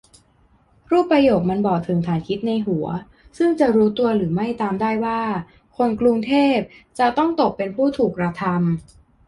รูปประโยคมันบอกถึงฐานคิดในหัวซึ่งจะรู้ตัวหรือไม่ตามได้ว่า คนกรุงเทพจะต้องตกเป็นผู้ถูกกระทำ